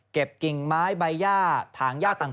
เก็บกิ่งไม้ใบหญ้าถางหญ้าต่าง